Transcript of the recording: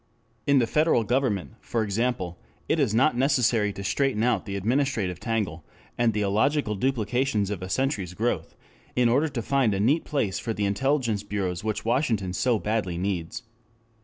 In the federal government, for example, it is not necessary to straighten out the administrative tangle and the illogical duplications of a century's growth in order to find a neat place for the intelligence bureaus which Washington so badly needs.